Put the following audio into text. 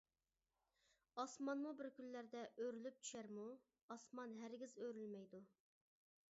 ئاسمانمۇ بىر كۈنلەردە ئۆرۈلۈپ چۈشەرمۇ؟ ئاسمان ھەرگىز ئۆرۈلمەيدۇ.